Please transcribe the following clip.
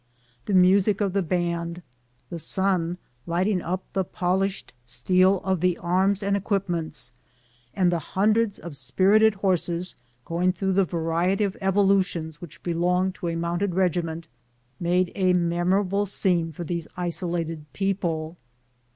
The music of the band, the sun lighting up the polished steel of the arms and equipments, the hundreds of spirited horses going through the variety of evolutions which belong to a mounted regiment, made a memora ble scene for these isolated people.